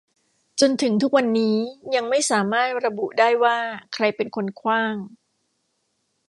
จนถึงทุกวันนี้ยังไม่สามารถระบุได้ว่าใครเป็นคนขว้าง